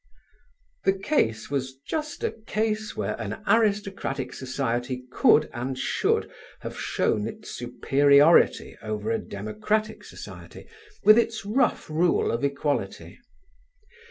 The case was just a case where an aristocratic society could and should have shown its superiority over a democratic society with its rough rule of equality.